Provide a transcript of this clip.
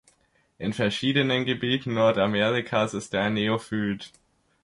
In verschiedenen Gebieten Nordamerikas ist er ein Neophyt.